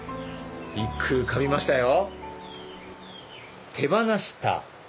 一句浮かびましたよ。